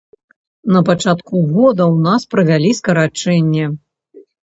На пачатку года ў нас правялі скарачэнне.